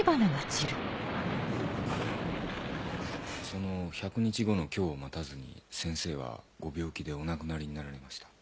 その１００日後の今日を待たずに先生はご病気でお亡くなりになられました。